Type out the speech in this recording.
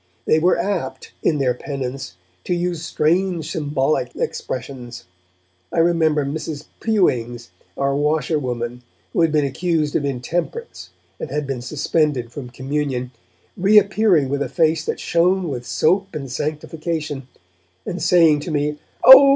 They were apt in their penitence to use strange symbolic expressions. I remember Mrs. Pewings, our washerwoman, who had been accused of intemperance and had been suspended from communion, reappearing with a face that shone with soap and sanctification, and saying to me, 'Oh!